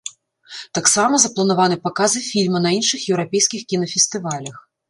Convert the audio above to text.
Таксама запланаваны паказы фільма на іншых еўрапейскіх кінафестывалях.